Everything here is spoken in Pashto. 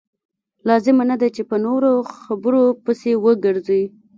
لازمه نه ده چې په نورو خبرو پسې وګرځئ.